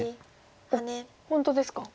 おっ本当ですか。